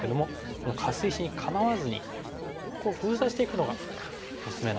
このカス石に構わずに封鎖していくのがおすすめなんですね。